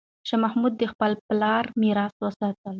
شاه محمود د خپل پلار میراث وساتلو.